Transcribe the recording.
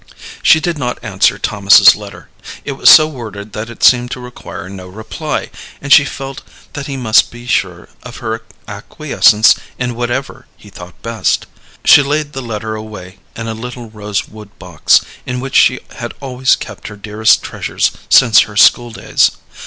She did not answer Thomas's letter. It was so worded that it seemed to require no reply, and she felt that he must be sure of her acquiescence in whatever he thought best. She laid the letter away in a little rosewood box, in which she had always kept her dearest treasures since her school days.